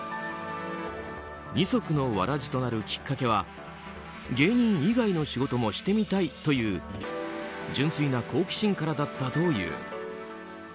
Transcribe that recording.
二足のわらじとなるきっかけは芸人以外の仕事もしてみたいという純粋な好奇心からだったという。